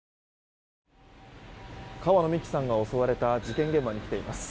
川野美樹さんが襲われた事件現場に来ています。